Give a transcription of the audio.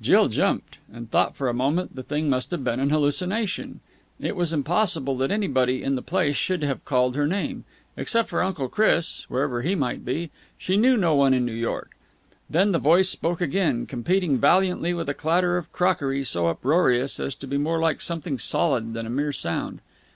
Jill jumped, and thought for a moment that the thing must have been an hallucination. It was impossible that anybody in the place should have called her name. Except for Uncle Chris, wherever he might be, she knew no one in New York. Then the voice spoke again, competing valiantly with a clatter of crockery so uproarious as to be more like something solid than a mere sound.